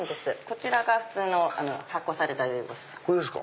こちらが普通の発酵されたルイボス。